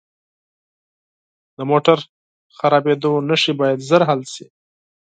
د موټر خرابیدو نښې باید ژر حل شي.